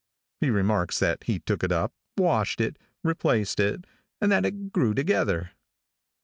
He remarks that he took it up, washed it, replaced it, and that it grew together.